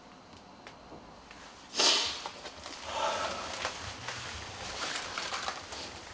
はあ。